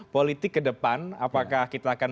politik ke depan apakah kita akan